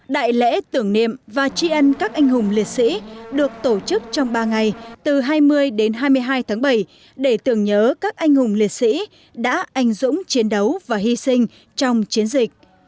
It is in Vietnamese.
đại lễ tưởng niệm và tri ân các anh hùng liệt sĩ được tổ chức trong ba ngày từ hai mươi đến hai mươi hai tháng bảy để tưởng nhớ các anh hùng liệt sĩ đã anh dũng chiến đấu và hy sinh trong chiến dịch